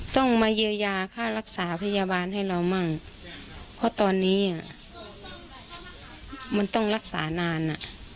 ต้องมาเยียวยาค่ารักษาพยาบาลให้เรามั่งเพราะตอนนี้มันต้องรักษานาน